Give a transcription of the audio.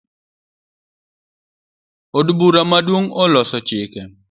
Od bura maduong oloso chike